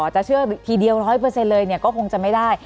จะเชื่อทีเดียว๑๐๐เลยก็คงจะไม่ได้